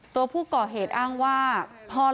ตัวผู้ก่อเหตุอ้างว่าเหรอน่ะครับ